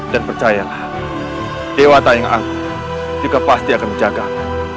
dan percayalah dewa tayang aku juga pasti akan menjagamu